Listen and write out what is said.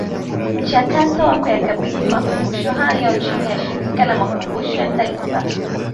Mchakato wa kuyakabidhi Makumbusho hayo chini ya Shirika la Makumbusho ya Taifa